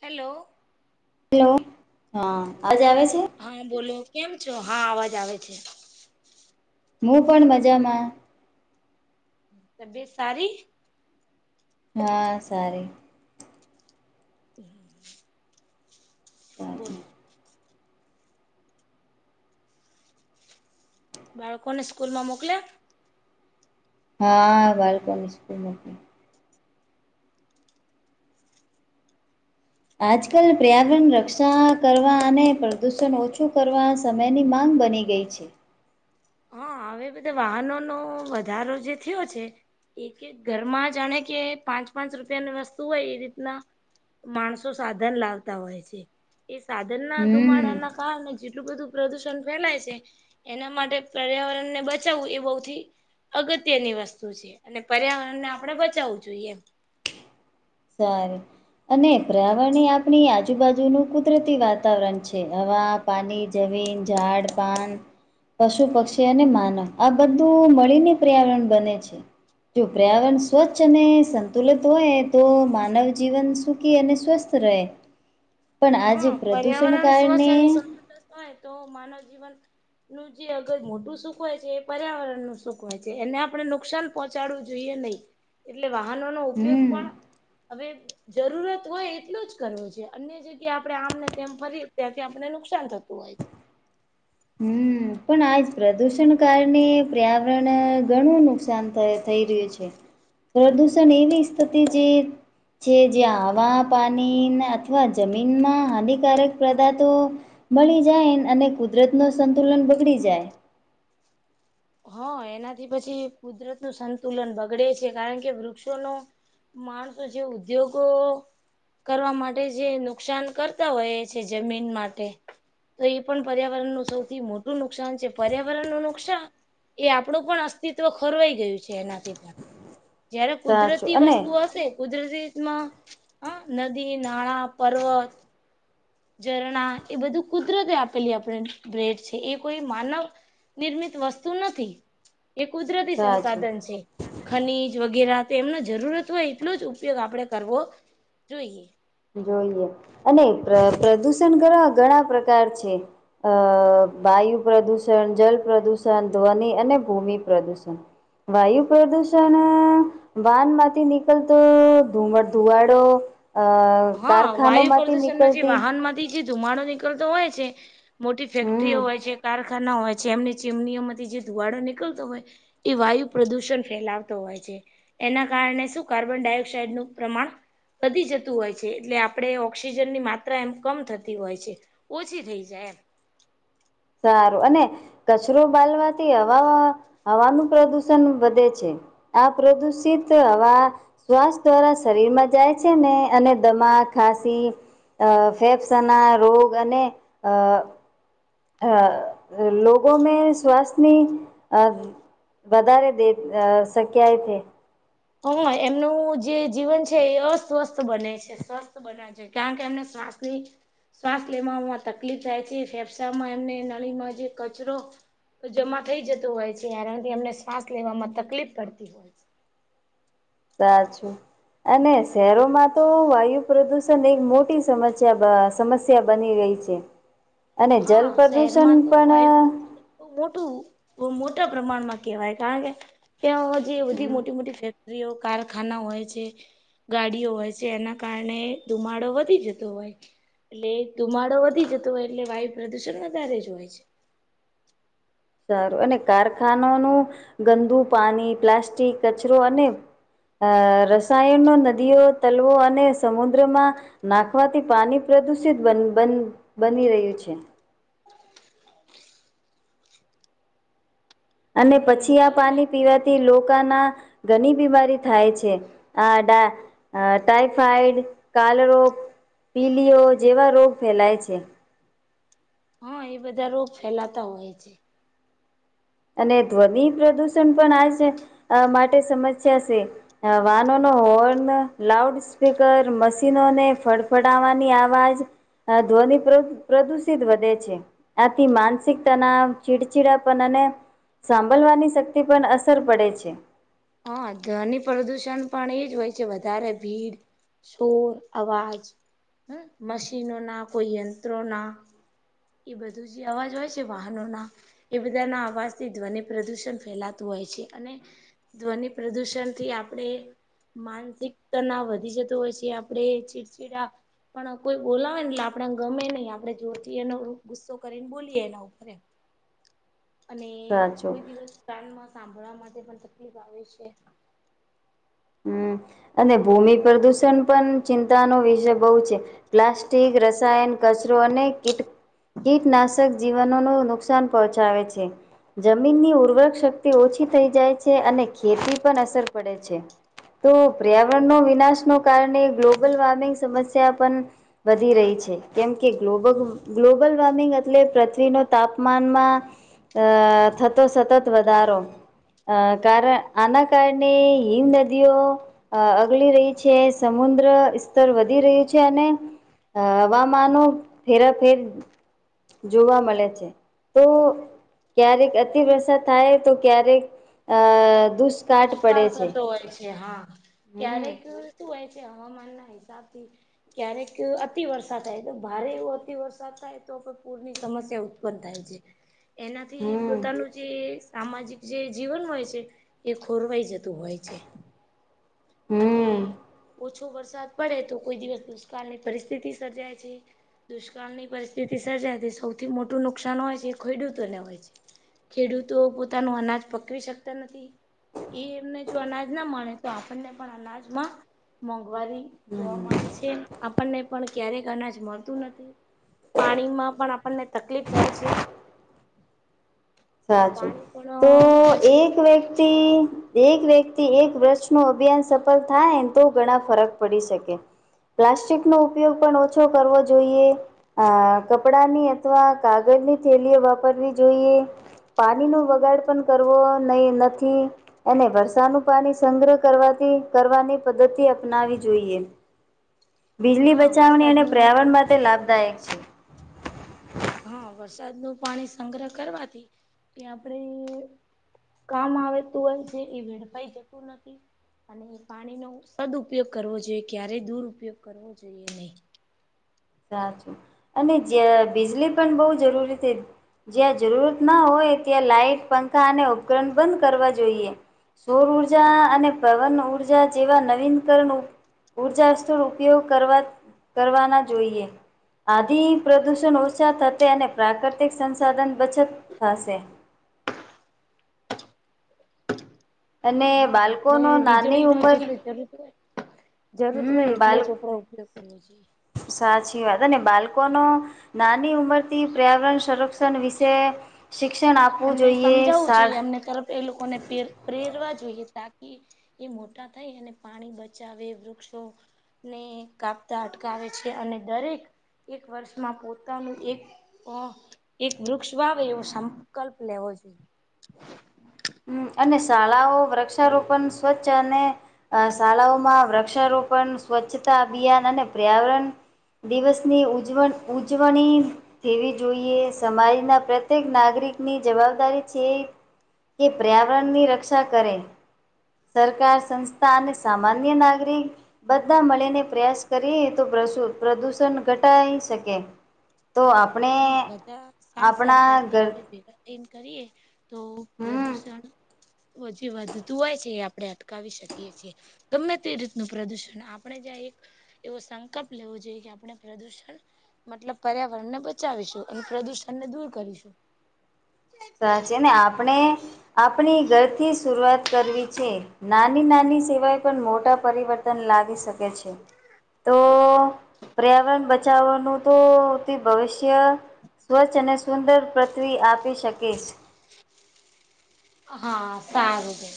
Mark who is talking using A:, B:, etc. A: Hello.
B: Hello હા અવાજ આવે છે?
A: હાબોલો, કેમ છો? હા, અવાજ આવે છે.
B: હું પણ મજામાં.
A: તબિયત સારી?
B: હા સારી. સારી
A: બોલો. બાળકોને સ્કૂલમાં મોકલ્યા?
B: હા, બાળકોને સ્કૂલ [unintelligible] આજકાલ [unintelligible] રક્ષા કરવા અને પ્રદુષન ઓછું કરવા સમયની માંગ બની ગઈ છે.
A: હા, હવે બધે વાહનોનો વધારો જે થયો છે એક- એક ઘરમાં જાણે કે પાંચ- પાંચ રૂપિયાની વસ્તુ હોય એ રીતના માણસો સાધન લાવતા હોય છે. એ સાધનના
B: હમ
A: ધુમાડાના કારણે જેટલું બધું પ્રદુષણ ફેલાય સે, એના માટે પર્યાવરણ ને બચાવવું એ [unintelligible] અગત્યની વસ્તુ છે, અને પર્યાવરણ ને આપડે બચાવવું જોઈએ
B: સારુ, અને [unintelligible] આપણી આજુબાજુનું કુદરતી વાતાવરણ છે, હવા પાની, જમીન, જાડ, પાન પશુ, પક્ષી અને માનવ આ બધું મળીને પર્યાવરણ બને છે. જો પર્યાવરણ સ્વચ્છ અને સંતુલિત હોય તો માનવ જીવન સુખી અને સ્વસ્થ રહે. પણ
A: હા
B: આજે પ્રદુષણ
A: પર્યાવરણ સ્વચ્છ
B: કારણે
A: [unintelligible] હોય તો માનવ જીવન નું જે અગર મોટું સુખ હોય છે એ પર્યાવરણનું સુખ હોય છે, એને આપણે નુકસાન પહોંચાડવું જોઈએ નહી. એટલે વાહનોનો ઉપયોગ
B: હમ્મ
A: પણ, હવે જરૂરત હોય એટલો જ કરવો જોઈએ અન્ય જે [unintelligible] આપડે આમને તેમ ફરી [unintelligible] આપને નુકસાન થતું હોય
B: હમ્મ. પણ આજ પ્રદુષણ કારણે, પર્યાવરણ, ઘણું નુકસાન થ, થઈ રહ્યું છે. પ્રદૂષણ એવી [unintelligible] જે છે જે હવા, પાનીને અથવા જમીનમાં હાનિકારકે પ્રદાથો મલી જાય અને કુદરતનો સંતુલન બગડી જાય
A: હ, એનાથી પછી કુદરતનું સંતુલન બગડે છે કારણ કે વૃક્ષોનુ માણસો જે ઉદ્યોગો કરવા માટે જે નુકસાન કરતા હોયે છે જમીન માટે તો ઈ પણ પર્યાવરણનું સૌથી મોટું નુકસાન છે, પર્યાવરણનું નુકસાન એ આપડુ પણ અસ્તિત્વ ખરવાઈ ગયું છે એનાથી પણ જયારે
B: સાચું
A: કુદરતી
B: અને
A: વસ્તુ હશે, કુદરતી [unintelligible] હા, નદી, નાળા, પર્વત ઝરણા, એ બધું કુદરતે આપેલી આપણે, ભેટ છે, એ કોઈ માનવ નિર્મિત વસ્તુ નથી, એ કુદરતી
B: સાચું
A: સંસાધન છે. ખનીજ વગેરા, તેમનો જરૂરત હોય એટલો જ ઉપયોગ આપડે કરવો, જોઈએ.
B: [unintelligible] અને ય્ર, પ્રદુષણ કરવા ઘણા પ્રકાર છે. અ, વાયુ પ્રદૂષણ, જલ પ્રદૂષણ, ધ્વનિ અને ભૂમિ પ્રદૂષણ વાયુ પ્રદૂષણ વાહન માંથી નીકલતો અ ધુવા ધુવાડો અ
A: હા
B: કારખાનો
A: વાયુ
B: માંથી
A: પ્રદૂષણમાં જે
B: નીકળતી
A: વાહનમાં થી જે ધુમાડો નીકળતો હોય છે મોટી ફેક્ટરીઓ
B: હમ
A: હોય છે કાર ખાના હોય છે એમની ચીમનીઓમાંથી જે ધુવાડો નીકળતો હોય એ વાયુ પ્રદૂષણ ફેલાવતો હોય છે. એના કારણે શું કાર્બન ડાયોક્સાાઈડનું પ્રમાણ વધી જતું હોય છે. એટલે આપણે ઓક્સિજનની માત્રા એમ કમ થતી હોય છે ઓછી થઈ જાય એમ
B: સારું અને કચરો બાલવાથી હવામા હવાનું પ્રદુષણ વધે છે. આ પ્રદુષિત હવા શ્વાસ દ્વારા શરીરમાં જાય છે ને અને દમા ખાસી અ ફેફ્સના રોગ અને અ અ લોગો મે શ્વાસની અ વધારે દે અ શક્યાય ને.
A: હ એમનું જે જીવન છે એ અસ્વસ્થ બને છે સ્વસ્થ બનાવી કારણ કે એમને શ્વાસની શ્વાસ લેવામાંમાં તકલીફ થાય છે ફેફસા માં એમને નળીમાં જે કચરો તો જમા થઈ જતું હોય છે એનાથી એમને શ્વાસ લેવામાં તકલીફ પડતી હોય છે.
B: સાચું. એને શહેરોમાં તો વાયુ પ્રદુષણ એક મોટી સમસ્યા બ સમસ્યા બની રહી છે. છે અને જલ
A: હા
B: પ્રદૂષણ
A: શહેરમાં તો
B: પણ
A: વાયુ પ્રદુષણ મોટું બઉ મોટા પ્રમાણમાં કહેવાય કારણ કે ત્યાં જે બધી મોટી મોટી ફેક રીઓ કારખાના હોય છે. ગાડીઓ હોય છે એના કારણે ધુમાડો વધી જતો હોય. એટલે ધુમાડો વધી જતો હોય એટલે વાયુ પ્રદુષણ વધારે જ હોય છે.
B: સારું અને કારખાનાનું ગંદુ પાણી પ્લાસ્ટિક કચરો અને અ રસાયણનો નદીઓ તલવો અને સમુદ્રમાં નાખવાથી પાણી પ્રદુષિત બન બન બની રહ્યું છે. અને
A: હમ
B: પછી આ
A: એજ ને
B: પાણી પીવાથી લોકાના ઘણી બીમારી થાય છે. આ ડા અ ટાઈફાઈડ કાલરો પીલીઓ જેવા રોગ ફેલાય છે.
A: હા એ બધા રોગ ફેલાતા હોય છે.
B: અને ધ્વનિ પ્રદુષણ પણ આજે અ માટે સમસ્યા છે. અ વાહનો નો હોર્ન લાઉડ સ્પીકર મશીનોને ફડફડવાની આવાજ હા ધ્વનિ પ્ર પ્રદુષિત વધે છે. આથી માનસિક તનાવ ચીળચીડા પણ અને સાંભલવાની શક્તિ પર અસર પડે છે.
A: હા ધ્વનિ પ્રદુષણ પણ એજ હોય છે, વધારે ભીડ શોર અવાજ હમ્મ મશીનોના કોઈ યંત્રોના એ બધું જે અવાજ હોય છે વાહનોના એ બધાના અવાજથી ધ્વનિ પ્રદૂષણ ફેલાતું હોય છે અને ધ્વનિ પ્રદૂષણથી આપણે માનસિક તનાવ વધી જતું હોય છે આપણે ચીડચીડા પણ કોઈ બોલાવે ને એટલે આપણે ગમે નહી આપણેે જોરથી એનો ગુસ્સો કરીને બોલીએ એના ઉપર એમ [inaudible] [unintelligible] અને
B: સાચું.
A: કોઈ દિવસ કાનમાં સાંભળવા માટે પણ તકલીફ આવે છે.
B: હમ્મ અને ભૂમિ પ્રદૂષણ પણ ચિંતાનો વિષય બહુ છે. પ્લાસ્ટિક, રસાયણ કચરો અને કીટ કીટનાશક જીવનોનુ નુકસાન પહોંચાવે છે. જમીનની ઉર્વરક શક્તિ ઓછી થઈ જાય છે અને ખેતી પણ અસર પડે છે. તો પર્યાવરણનો વિનાશનો કારણે ગ્લોબલ વોર્મિંગ સમસ્યા પણ વધી રહી છે. કેમ કે ગ્લોબલ ગ્લોબલ વોર્મિંગ એટલે પૃથ્વીનો તાપમાનમાં અ થતો સતત વધારો અ કારણ આના કારણે હિન્દ નદી અગલી રહી છે, સમુદ્ર સ્તર વધી રહ્યું છે અને અ હવામાનો ફેરાફેર જોવા મળે છે, તો ક્યારેક અતિવરસાદ થાય તો ક્યારેક અ દુષ
A: દુષ્કાળ થતો હોય છે. હા
B: હમ
A: ક્યારેક શું હોય છે હવામાનના હિ સાથી ક્યારેક અતિ વરસાદ થાય તો ભારે એવો અતિ વરસાદ થાય તો પૂરની સમસ્યા ઉત્પન્ન થાય છે. એનાથી
B: હમ
A: પોતાનું જે સામાજિક જે જીવન હોય છે એ ખોરવાઈ જતું હોય છે. અને
B: હમ
A: ઓછો વરસાદ પડે તો કોઈ દિવસ દુષ્કાળની પરિસ્થિતિ સર્જાય છે દુષ્કાળની પરિસ્થિતિ સર્જાય તે સૌથી મોટું નુકસાન હોય છે એ ખેડૂતોને હોય છે. ખેડૂતો પોતાનું અનાજ પકવી શકતા નથી એ એમને જો અનાજ ના મળે તો આપણને પણ અનાજમાં મોંઘવારી જોવા મળે છે આપણને પણ ક્યારેક અનાજ મળતું નથી. પાણીમાં પણ આપણને તકલીફ થાય છે. તો
B: સાચું,
A: પાણી
B: તો
A: પણ પછી
B: એક વ્યક્તિ એક વ્યક્તિ એક વૃક્ષનો અભિયાન સફળ થાયને તો ઘણા ફરક પડી શકે. પ્લાસ્ટિકનો ઉપયોગ પણ ઓછો કરવો જોઈએ. આ કપડાની અથવા કાગળની થેલીઓ વાપરવી જોઈએ. પાણી નો બગાડ પણ કરવો નય નથી. અને વરષાનું પાણી સંગ્રહ કરવાથી કરવાની પદ્ધતિ અપનાવી જોઈએ. બીજલી
A: હા
B: બચાવણી અને
A: વરસાદનું
B: પર્યાવરણ માટે લાભદાયક છે.
A: હા, વરસાદ નું પાણી સંગ્રહ કરવાથી એ આપણેે કામ આવેતું હોય છે એ વેડફાઈ જતું નથી. અને પાણીનો સદઉપયોગ કરવો જોઈએ કયારે દુર ઉપયોગ કરવો જોઈએ નહીં.
B: સાચું અને જ્યાં બીજલી પણ બહુ જરૂરી તે જ્યાં જરૂરત ના હોય ત્યાં લાઈટ, પંખા અને ઉપકરણ બંધ કરવા જોઈએ. સૌર ઊર્જા અને પવન ઊર્જા જેવા નવીનકરણ ઉર્જા સ્ત્રોત ઉપયોગ કરવા કરવા ના જોઈએ. આધિ પ્રદૂષણ ઓછા થશે અને પ્રાકૃતિક સંસાધન બચત થાશે. અને
A: હા, આપણે
B: બાળકોનો નાની
A: વીજળી નો
B: ઉંમર
A: જેટલ જરૂરત હોય જરૂર હોય
B: હમ
A: એટલે
B: બાળક
A: જ આપડે ઉપયોગ કરવો જોઈએ.
B: સાચી વાત ને બાલકો નો નાની ઉંમરથી પર્યાવરણ સંરક્ષણ વિશે શિક્ષણ આપવું
A: એમને
B: જોઈએ,
A: સમજાવવું
B: શા
A: જોઈએ એમને તરફ એ લોકોને પ્રેર, પ્રેરવા જોઈએ, તાકી એ મોટા થાય અને પાણી બચાવે, વૃક્ષો ને કાપતા અટકાવે છે અને દરેક એક વર્ષમાં પોતાનું એક અ એક વૃક્ષ વાવે એવું સ કલ્પ લેવો જોઈ.
B: અને શાળાઓ, વૃક્ષારોપણ, સ્વચ્છ અને અ શાળાઓમાં વૃક્ષારોપણ, સ્વચ્છતા અભિયાન અને પર્યાવરણ દિવસની ઉજવ ઉજવણી એવી જોઈએ, સમાજના પ્રત્યેક નાગરિકની જવાબદારી છે. પર્યાવરણ ની રક્ષા કરે, સરકાર, સંસ્થા અને સામાન્ય નાગરિક બધા મળીને પ્રયાસ કરીએ તો પ્રશુ, પ્રદૂષણ ઘટાાઈ શકે. તો આપ
A: હ.. બધા સાથ-સરકાર થી
B: ઘર
A: આપણે ભેગા થઈ ન કરીએે. તો,
B: હમ
A: પ્રદુષણ જે વધતું હોય છે, એ આપણે અટકાવી શકીએ છીએ. ગમે તે રીતનું પ્રદુષણ, આપણે જ્યાં એક એવો સંકલ્પ લેવો જોઈએ કે આપણે પ્રદુષણ મતલબ પર્યાવરણ ને બચાવીશું અને પ્રદુષણને દૂર કરીશું.
B: સાચ છે ને, આપણે આપણી ઘરથી શરૂઆત કરવી છે. નાની-નાની સેવાય પણ મોટા પરિવર્તન લાવી શકે. વી છે, તો પર્યાવરણ બચાવવાનું તો ભવિષ્ય સ્વચ્છ અને સુંદર પૃથ્વી આપી શકીશ.
A: હા, સારું બેન